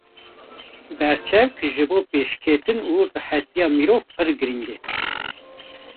Berçavk ji bo pêşketin û rehetiya mirov pir girîng e.